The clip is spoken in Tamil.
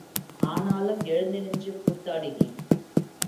ஆனாலும் எழுந்து நின்று கூத்தாடினேன்.